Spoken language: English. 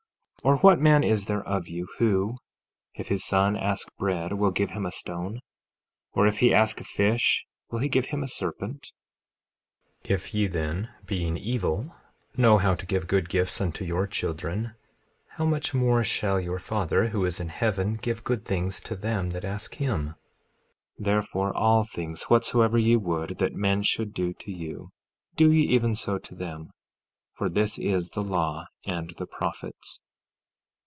14:9 Or what man is there of you, who, if his son ask bread, will give him a stone? 14:10 Or if he ask a fish, will he give him a serpent? 14:11 If ye then, being evil, know how to give good gifts unto your children, how much more shall your Father who is in heaven give good things to them that ask him? 14:12 Therefore, all things whatsoever ye would that men should do to you, do ye even so to them, for this is the law and the prophets.